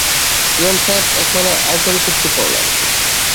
ইমাম সাহেব একমনে আয়াতুল কুরসি পড়লেন।